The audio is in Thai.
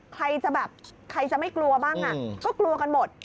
ใครจะแบบใครจะไม่กลัวบ้างก็กลัวกันหมด